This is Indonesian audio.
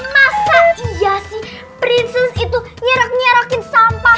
masa iya sih prinses itu nyerak nyerakin sampah